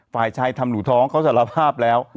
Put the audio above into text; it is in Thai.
ฝ่ายชายทำหนูท้องเขาสารภาพแล้ว